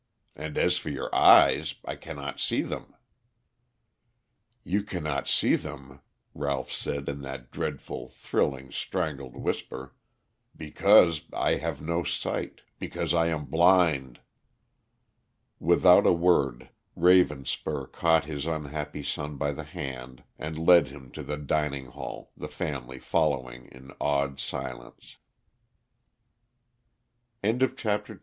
And, as for your eyes, I cannot see them." "You cannot see them," Ralph said in that dreadful, thrilling, strangled whisper, "because I have no sight; because I am blind." Without a word Ravenspur caught his unhappy son by the hand and led him to the dining hall, the family following in awed silence. CHAPTER III THE CRY IN THE